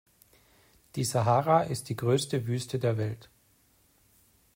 Die Sahara ist die größte Wüste der Welt.